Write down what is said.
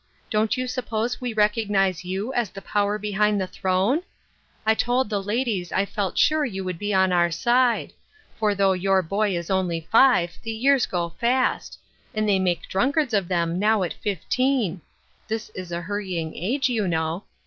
Don't you suppose we recognize you as the power behind the throne ? I told the ladies I felt sure you would be on our side ; for, though your boy is only five, the years go fast ; and they make drunkards of them now at fifteen ; this is a hurrying age, you know.